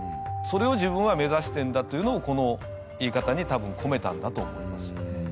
それを自分は目指してるんだというのをこの言い方に多分込めたんだと思いますよね。